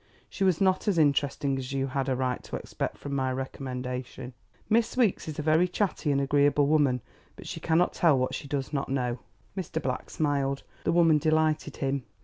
She was not as interesting as you had a right to expect from my recommendation?" "Miss Weeks is a very chatty and agreeable woman, but she cannot tell what she does not know." Mr. Black smiled. The woman delighted him.